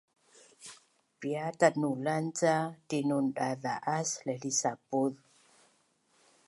Piat tatnulan ca tinundaza’as laihlihsapuz?